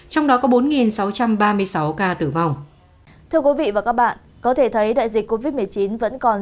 trong đó có bốn sáu trăm ba mươi sáu ca tử vong thưa quý vị và các bạn có thể thấy đại dịch covid một mươi chín vẫn còn